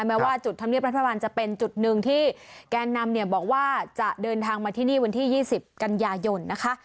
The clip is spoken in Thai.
แม้ว่าจุดธรรมเนียบรัฐบาลจะเป็นจุดหนึ่งที่แกนนำเนี่ยบอกว่าจะเดินทางมาที่นี่วันที่๒๐กันยายนนะคะ